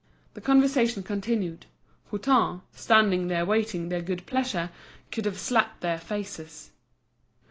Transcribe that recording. The conversation continued; Hutin, standing there waiting their good pleasure, could have slapped their faces.